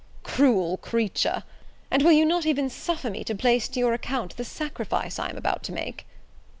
cruel creature, and will you not even suffer me to place to your account the sacrifice I am about to make?"